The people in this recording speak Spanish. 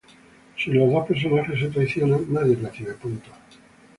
Si los dos personajes se traicionan, nadie recibe puntos.